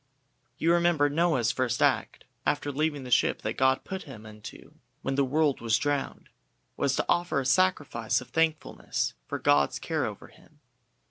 You remember Noah's first act after leaving the ship that God put him into when the world was drowned, was to offer a sacrifice of thankfulness for God's care over him.